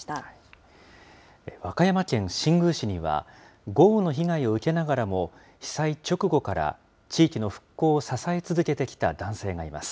和歌山県新宮市には、豪雨の被害を受けながらも、被災直後から地域の復興を支え続けてきた男性がいます。